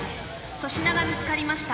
粗品が見つかりました。